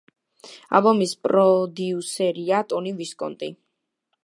ალბომის პროდიუსერია ტონი ვისკონტი.